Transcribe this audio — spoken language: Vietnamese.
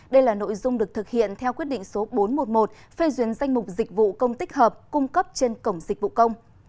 đây là nội dung được thực hiện theo quyết định số bốn trăm một mươi một phê duyên danh mục dịch vụ công tích hợp cung cấp trên cổng dịch vụ công